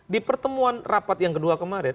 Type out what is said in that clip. di pertemuan rapat yang kedua kemarin